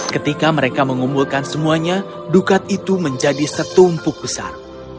ketika mereka mengumpulkan semuanya dukat itu menjadi setumpuk besar